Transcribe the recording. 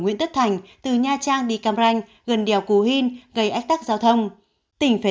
nguyễn tất thành từ nha trang đi cam ranh gần đèo cù hin gây ách tắc giao thông tỉnh phải